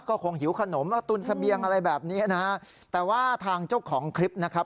ก็คงหิวขนมตุนเสบียงอะไรแบบนี้นะฮะแต่ว่าทางเจ้าของคลิปนะครับ